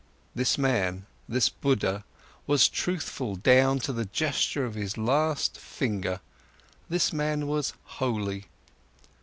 This man, this Buddha was truthful down to the gesture of his last finger. This man was holy.